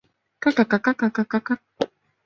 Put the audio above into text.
这使得分子的光能吸收的范围降低。